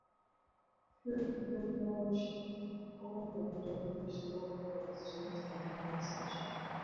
Through the Great Vowel Shift, all Middle English long vowels changed their pronunciation.